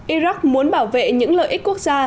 iraq muốn bảo vệ những lợi ích quốc gia